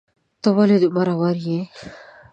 ته ولي مرور یې